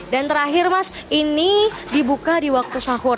dan terakhir mas ini dibuka di waktu sahur